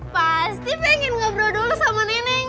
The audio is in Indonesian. pasti pengen ngobrol dulu sama nenek